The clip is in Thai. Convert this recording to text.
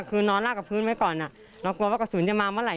คือนอนลากกับพื้นไว้ก่อนเรากลัวว่ากระสุนจะมาเมื่อไห